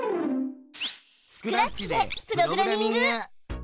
スクラッチでプログラミング！